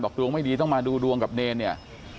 ดวงไม่ดีต้องมาดูดวงกับเนรเนี่ย